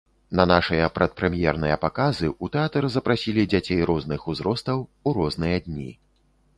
На нашыя перадпрэм'ерныя паказы ў тэатр запрасілі дзяцей розных узростаў, у розныя дні.